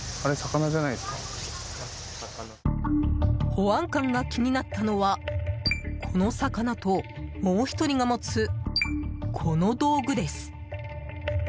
保安官が気になったのはこの魚ともう１人が持つこの道具です。